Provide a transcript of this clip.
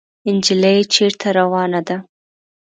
انجلۍ چېرته روانه ده ؟